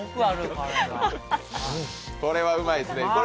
これはうまいですね